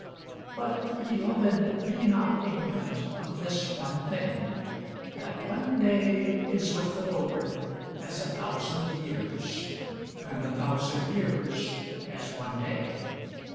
But, beloved, be not ignorant of this one thing, that one day is with the Lord as a thousand years, and a thousand years as one day.